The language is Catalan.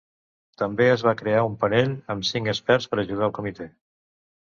També es va crear un panell amb cinc experts per ajudar al comitè.